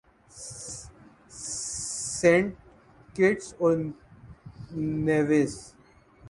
Saint Kitts اور Nevis